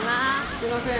すいません。